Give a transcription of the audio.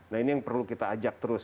nah ini yang perlu kita ajak terus